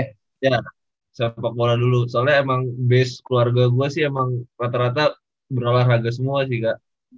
ya sepak bola dulu soalnya emang base keluarga gue sih emang rata rata berolahraga semua sih kak